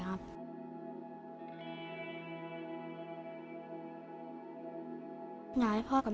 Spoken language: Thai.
หนูอยากให้พ่อกับแม่หายเหนื่อยครับ